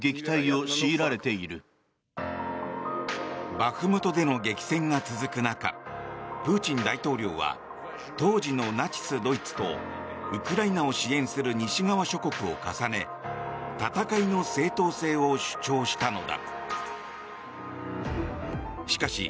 バフムトでの激戦が続く中プーチン大統領は当時のナチス・ドイツとウクライナを支援する西側諸国を重ね戦いの正当性を主張したのだ。